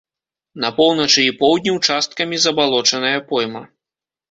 На поўначы і поўдні ўчасткамі забалочаная пойма.